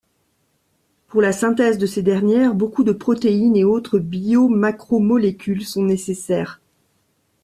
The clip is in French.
Pour la synthèse de ces dernières, beaucoup de protéines et autres biomacromolécules sont nécessaires.